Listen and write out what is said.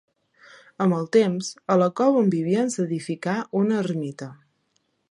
Amb el temps, a la cova on vivien s'edificà una ermita.